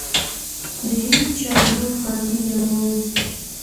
د هېچا ژوند خوندي نه وو.